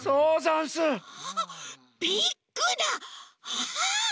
ああ！